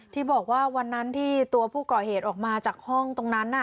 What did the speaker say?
ที่บอกว่าวันนั้นที่ตัวผู้ก่อเหตุออกมาจากห้องตรงนั้น